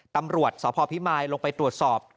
ตำรวจสพพิมายลงไปตรวจสอบ